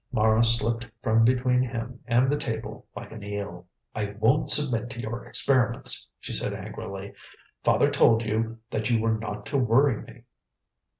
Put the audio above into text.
Mara slipped from between him and the table like an eel. "I won't submit to your experiments," she said angrily. "Father told you that you were not to worry me."